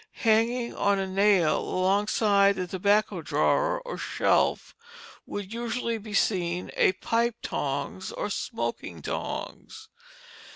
Hanging on a nail alongside the tobacco drawer, or shelf, would usually be seen a pipe tongs, or smoking tongs.